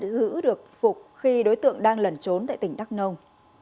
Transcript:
giữ được phục khi đối tượng đang lẩn trốn tại tỉnh đắk nông